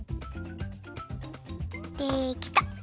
できた！